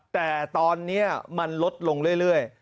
แต่ตอนนี้มันลดลงเรื่อย